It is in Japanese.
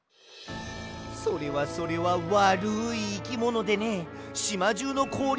それはそれはわるいいきものでねしまじゅうのこおりをとかすんだよ。